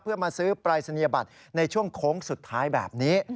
เพื่อมาซื้อปรายศนียบัตรในช่วงโค้งสุดท้ายแบบนี้